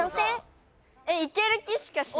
えっいける気しかしない。